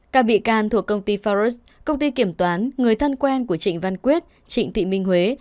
các bị can thuộc công ty faros công ty kiểm toán người thân quen của trịnh văn quyết trịnh thị minh huế